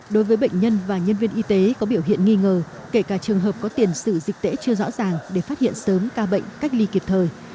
đối với bệnh nhân và nhân viên y tế có biểu hiện nghi ngờ kể cả trường hợp có tiền sự dịch tễ chưa rõ ràng để phát hiện sớm ca bệnh cách ly kịp thời